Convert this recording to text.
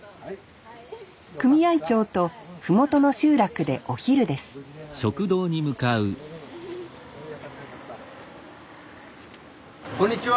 組合長と麓の集落でお昼ですこんにちは。